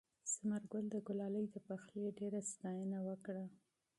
ثمرګل د ګلالۍ د پخلي ډېره ستاینه وکړه.